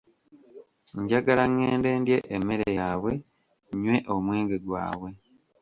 Njagala ngende ndye emmere yaabwe, nnywe omwenge gwabwe.